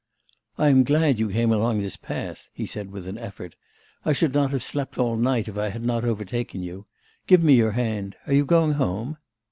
'I am glad you came along this path,' he said with an effort. 'I should not have slept all night, if I had not overtaken you. Give me your hand. Are you going home?